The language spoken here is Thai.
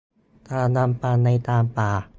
ตามลำพังในกลางป่า